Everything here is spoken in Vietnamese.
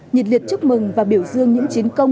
nhiệt liệt chúc mừng và biểu dương những chiến công